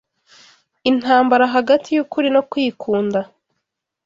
Intambara Hagati y’Ukuri no Kwikunda